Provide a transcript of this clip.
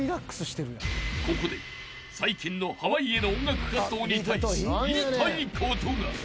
［ここで最近の濱家の音楽活動に対し言いたいことが］